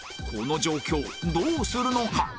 この状況どうするのか？